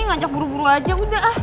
ngajak buru buru aja udah ah